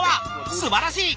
すばらしい！